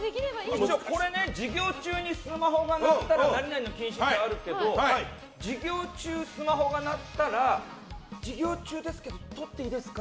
授業中にスマホが鳴ったら何々の禁止ってあるけど授業中スマホが鳴ったら授業中ですけどとっていいですか？